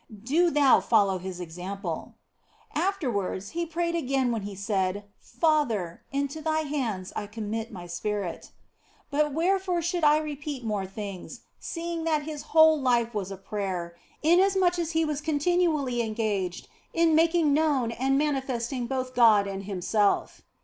Do thou follow His example. Afterwards He prayed again when He said, " Father, into Thy hands I commit My spirit." But wherefore should I repeat more things, seeing that His whole life was a prayer, in asmuch as He was continually engaged in making known io 4 THE BLESSED ANGELA and manifesting both God and Himself.